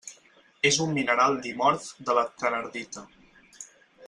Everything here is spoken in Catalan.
És un mineral dimorf de la thenardita.